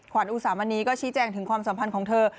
ขวัญอู๋๓วันนี้ก็ชี้แจ้งถึงความสัมพันธ์ของเธอ